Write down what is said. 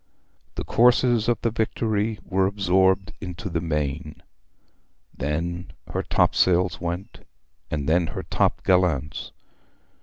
The courses of the Victory were absorbed into the main, then her topsails went, and then her top gallants.